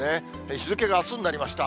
日付があすになりました。